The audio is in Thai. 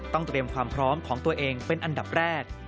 เตรียมความพร้อมของตัวเองเป็นอันดับแรก